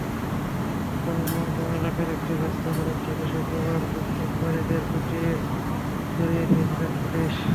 হংকংয়ের মংকক এলাকার একটি ব্যস্ত সড়ক থেকে শুক্রবার বিক্ষোভকারীদের পিটিয়ে সরিয়ে দিয়েছিল পুলিশ।